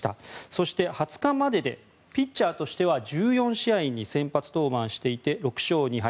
そして、２０日まででピッチャーとしては１４試合に先発登板していて６勝２敗。